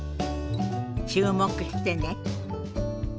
注目してね。